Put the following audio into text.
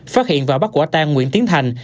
phát hiện và bắt quả tang nguyễn tiến thành